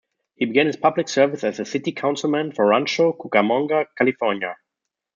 He began his public service as a City Councilman for Rancho Cucamonga, California.